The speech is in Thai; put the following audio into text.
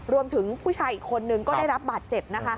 รวมถึงผู้ชายอีกคนนึงก็ได้รับบาดเจ็บนะคะ